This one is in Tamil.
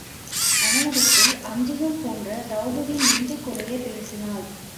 அவனிடத்தில் அஞ்சுகம் போன்ற திரெளபதி நெஞ்சங் குழையப் பேசினாள்.